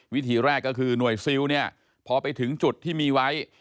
วิธีแรกก็คือหน่วยซิลเนี่ยพอไปถึงจุดที่มีไว้